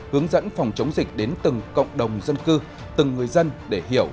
hướng dẫn phòng chống dịch đến từng cộng đồng dân cư từng người dân để hiểu